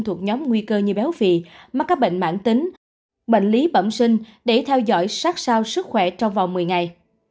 thuộc nhóm nguy cơ như béo phì mắc các bệnh mãn tính bệnh lý bẩm sinh để theo dõi sát sao sức khỏe trong vòng một mươi ngày